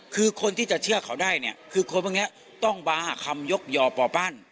คือคนที่จะเชื่อเขาได้เนี่ยคือคนพวกนี้ต้องมาหาคำยกย่อป่อปั้น